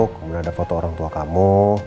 kemudian ada foto orang tua kamu